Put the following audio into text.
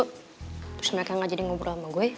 terus mereka gak jadi ngobrol sama gue